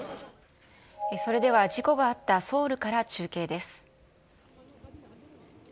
それでは事故があったソウルから中継です。